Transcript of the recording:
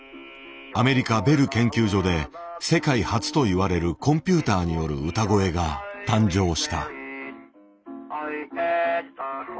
アメリカベル研究所で世界初といわれるコンピューターによる歌声が誕生した。